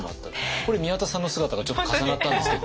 これ宮田さんの姿がちょっと重なったんですけど。